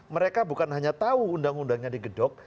mereka bukan hanya tahu undang undangnya digedok